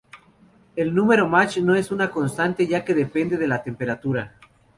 El número Mach no es una constante ya que depende de la temperatura.